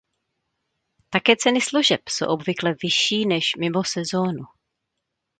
Také ceny služeb jsou obvykle vyšší než "mimo sezónu".